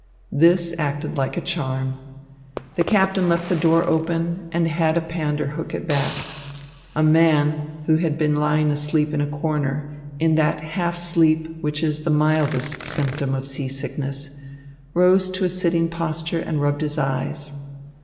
This acted like a charm. The captain left the door open and had Pander hook it back. A man, who had been lying asleep in a corner in that half sleep which is the mildest symptom of seasickness rose to a sitting posture and rubbed his eyes.